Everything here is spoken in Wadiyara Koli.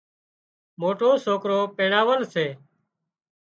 موٽِو سوڪرو پينڻاول سي